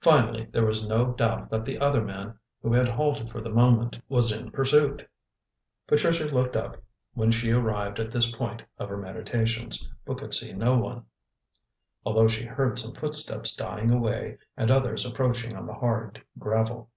Finally, there was no doubt that the other man, who had halted for the moment, was in pursuit. Patricia looked up when she arrived at this point of her meditations, but could see no one, although she heard some footsteps dying away and others approaching on the hard gravel.